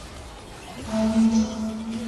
花烟草为茄科烟草属下的一个种。